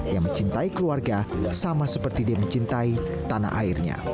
yang mencintai keluarga sama seperti dia mencintai tanah airnya